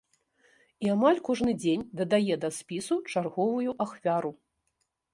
І амаль кожны дзень дадае да спісу чарговую ахвяру.